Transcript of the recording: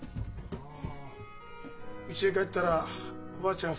うちへ帰ったらおばあちゃん